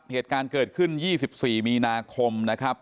เหตุการณ์เกิดขึ้น๒๔มีนาคมนะครับ